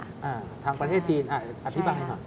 อ่าทางประเทศจีนอธิบายให้ค่ะ